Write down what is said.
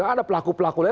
ada pelaku pelaku lain